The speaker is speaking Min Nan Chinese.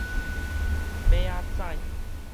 尾仔指